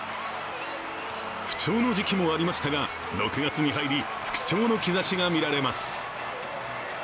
不調の時期もありましたが６月に入り復調の兆しがみられます